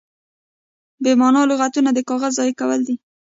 بې مانا لغتونه د کاغذ ضایع کول دي.